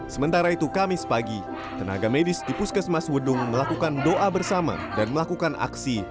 sementara itu kamis pagi tenaga medis di puskesmas wedung melakukan doa bersama dan melakukan aksi